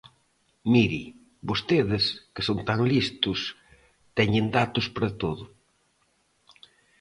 Mire, vostedes, que son tan listos, teñen datos para todo.